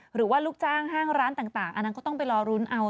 หรือว่าลูกจ้างห้างร้านต่างอันนั้นก็ต้องไปรอรุ้นเอา